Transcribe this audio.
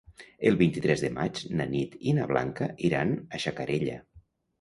El vint-i-tres de maig na Nit i na Blanca iran a Xacarella.